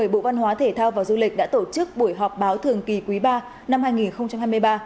bộ văn hóa thể thao và du lịch đã tổ chức buổi họp báo thường kỳ quý ba năm hai nghìn hai mươi ba